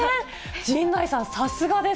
陣内さん、さすがです。